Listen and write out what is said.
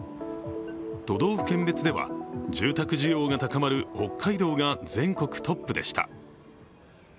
都道府県別では住宅需要が高まる北海道が全国トップでした。